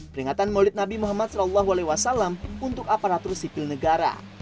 peringatan maulid nabi muhammad saw untuk aparatur sipil negara